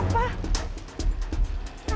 aduh kakek kenapa